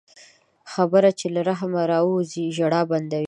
خبره چې له رحم راووځي، ژړا بندوي